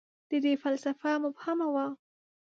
• د ده فلسفه مبهمه وه.